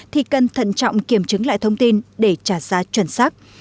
thì cần thận trọng kiểm chứng lại thông tin để trả giá chuẩn xác